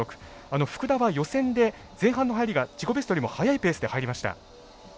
福田は予選で前半の入りが自己ベストよりも速いペースで入りました。